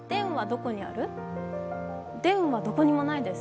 デンはどこにもないです。